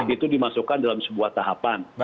itu dimasukkan dalam sebuah tahapan